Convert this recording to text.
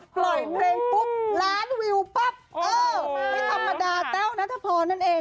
ปล่อยเพลงปุ๊บล้านวิวปั๊บเออไม่ธรรมดาแต้วนัทพรนั่นเอง